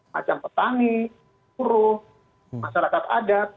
macam petani buruh masyarakat adat